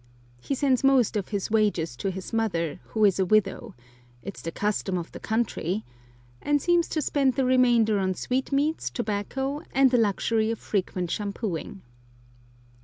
He sends most of his wages to his mother, who is a widow—"It's the custom of the country"—and seems to spend the remainder on sweetmeats, tobacco, and the luxury of frequent shampooing.